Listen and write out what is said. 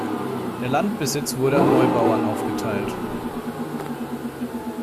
Der Landbesitz wurde an Neubauern aufgeteilt.